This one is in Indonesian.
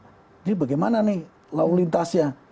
jadi bagaimana nih lalu lintasnya